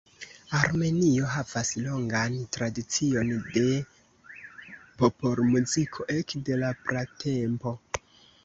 Armenio havas longan tradicion de popolmuziko ekde la pratempo.